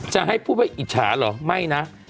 จะให้พูดว่าอิจฉาเหรอไม่นะ